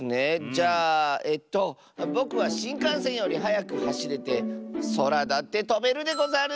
じゃあえとぼくはしんかんせんよりはやくはしれてそらだってとべるでござる！